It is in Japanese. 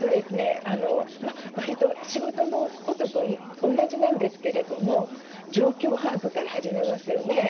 わりと仕事のことと同じなんですけれども状況把握から始めますよね。